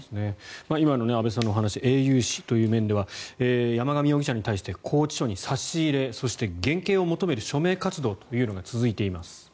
今の安部さんのお話英雄視という面では山上容疑者に対して拘置所に差し入れそして減刑を求める署名活動が続いています。